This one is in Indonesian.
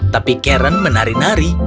tapi karen menari nari